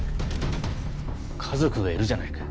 家族がいるじゃないか。